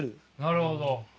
なるほど！